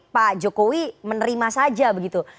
pak jokowi menerima saja begitu